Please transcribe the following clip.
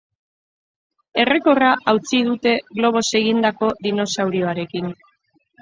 Errekorra hautsi dute globoz egindako dinosaurioarekin.